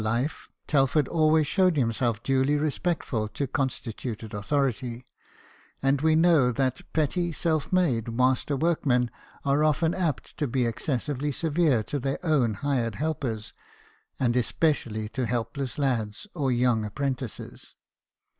9 after life Telford always showed himself duly respectful to constituted authority ; and we know that petty self made master workmen are often apt to be excessively severe to their own hired helpers, and especially to helpless lads or young apprentices.